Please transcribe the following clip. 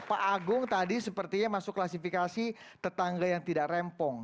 pak agung tadi sepertinya masuk klasifikasi tetangga yang tidak rempong